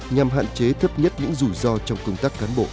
nhằm hạn chế thấp nhất những rủi ro trong công tác cán bộ